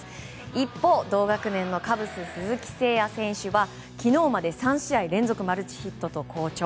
一方、同学年のカブス、鈴木誠也選手は昨日まで３試合連続マルチヒットと好調。